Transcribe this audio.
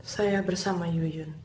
saya bersama yuyun